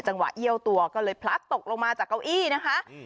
จังหวะเอี้ยวตัวก็เลยพลัดตกลงมาจากเก้าอี้นะคะ